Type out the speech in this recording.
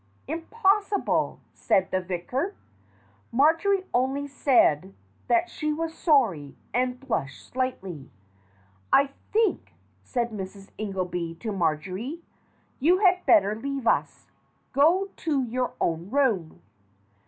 "Impossible!" said the vicar. Marjory only said that she was sorry, and blushed slightly. "I think," said Mrs. Ingelby to Marjory, "you had better leave us. Go to your own room."